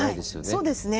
そうですね。